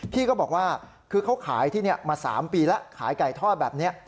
พี่ก็บอกว่าคือเขาขายที่นี่มา๓ปีแล้วขายไก่ทอดแบบนี้